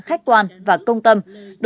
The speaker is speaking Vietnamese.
khách quan và công tâm